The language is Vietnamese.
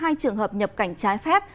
và bảy trường hợp xuất cảnh trái phép